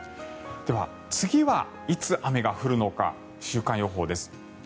では、次はいつ雨が降るのか週間予報です。